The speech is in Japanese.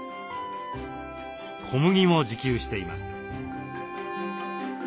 小麦も自給しています。